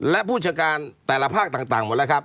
และผู้จัดการแต่ละภาคต่างหมดแล้วครับ